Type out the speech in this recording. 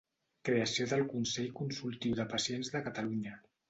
Creació del Consell Consultiu de Pacients de Catalunya.